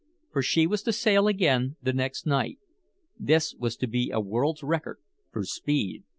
For she was to sail again the next night. This was to be a world's record for speed!